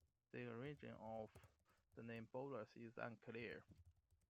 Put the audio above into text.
The origin of the name Boelus is unclear.